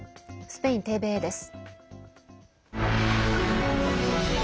スペインＴＶＥです。